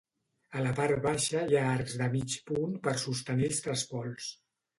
A la part baixa hi ha arcs de mig punt per sostenir els trespols.